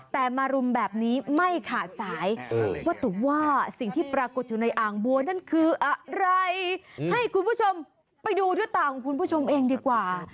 แต่มารุมแบบนี้ไม่ขาดสายว่าแต่ว่าสิ่งที่ปรากฏอยู่ในอ่างบัวนั่นคืออะไรให้คุณผู้ชมไปดูด้วยตาของคุณผู้ชมเองดีกว่า